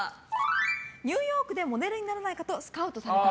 ニューヨークでモデルにならないかと誘われた。